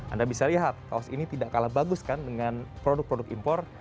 anda bisa lihat kaos ini tidak kalah bagus kan dengan produk produk impor